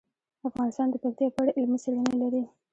افغانستان د پکتیا په اړه علمي څېړنې لري.